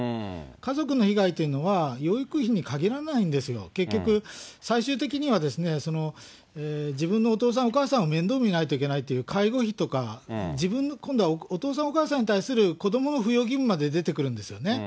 家族の被害というのは、養育費にかぎらないんですよ。結局、最終的には自分のお父さんお母さんを面倒見ないといけないという介護費とか、自分の今度はお父さんお母さんに対する子どもの扶養義務まで出てくるんですよね。